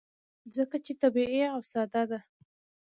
ځکه چې طبیعي او ساده ده.